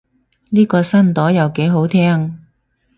呢個新朵又幾好聽